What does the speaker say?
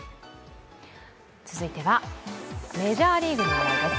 続いては、メジャーリーグの話題です。